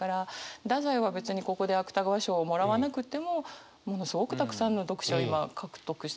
太宰は別にここで芥川賞をもらわなくってもものすごくたくさんの読者を今獲得してるわけですからね。